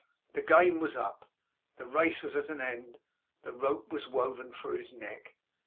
The game was up. The race was at an end; the rope was woven for his neck.